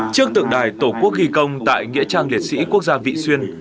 trước tượng đài tổ quốc ghi công tại nghĩa trang liệt sĩ quốc gia vị xuyên